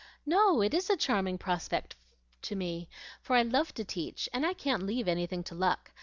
"No; it is a charming prospect to me, for I love to teach, and I can't leave anything to luck.